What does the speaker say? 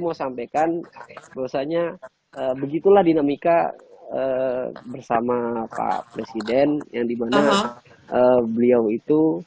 mau sampaikan bahwasanya begitulah dinamika bersama pak presiden yang dimana beliau itu